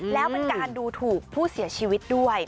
แล้วเป็นการดูถูกผู้เสียชีวิตด้วย